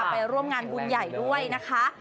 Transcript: ไปร่วมงานบุญใหญ่ด้วยนะคะ